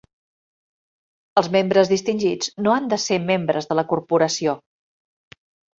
Els membres distingits no han de ser membres de la corporació.